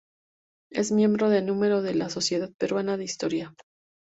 Es miembro de número de la Sociedad Peruana de Historia.